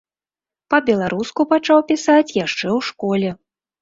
Па-беларуску пачаў пісаць яшчэ ў школе.